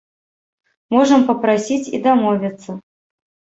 Можам папрасіць і дамовіцца.